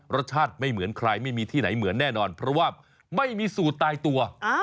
รสชาติไม่เหมือนใครไม่มีที่ไหนเหมือนแน่นอนเพราะว่าไม่มีสูตรตายตัว